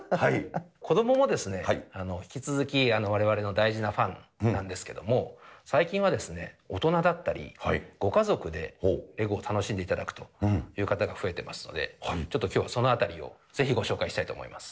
子どもも引き続きわれわれの大事なファンなんですけども、最近はですね、大人だったり、ご家族でレゴを楽しんでいただくという方が増えてますので、ちょっときょうはそのあたりをぜひご紹介したいと思います。